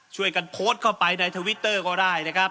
ช่วยกันโพสต์เข้าไปในทวิตเตอร์ก็ได้นะครับ